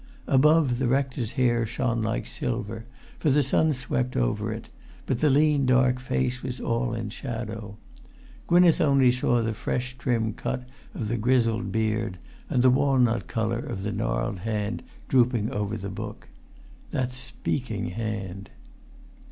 Above, the rector's hair shone like silver, for the sun swept over it, but the lean dark face was all in shadow. Gwynneth only saw the fresh trim cut of the grizzled beard, and the walnut colour of the gnarled hand drooping over the book. That speaking hand!